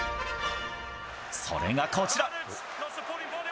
それがこちら。